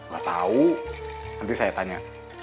gak tahu nanti saya tanya